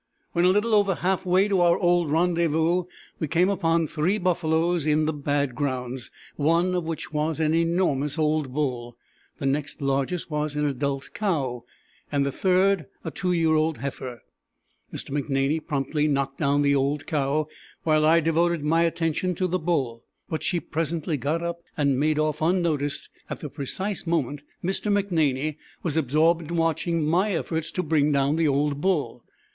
When a little over half way to our old rendezvous we came upon three buffaloes in the bad grounds, one of which was an enormous old bull, the next largest was an adult cow, and the third a two year old heifer. Mr. McNaney promptly knocked down the old cow, while I devoted my attention to the bull; but she presently got up and made off unnoticed at the precise moment Mr. McNaney was absorbed in watching my efforts to bring down the old bull.